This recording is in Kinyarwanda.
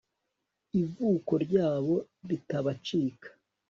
Ivuko ryabo ritabacika